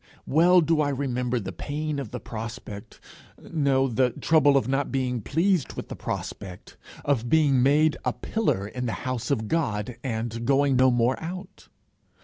Well do I remember the pain of the prospect no, the trouble at not being pleased with the prospect of being made a pillar in the house of God, and going no more out!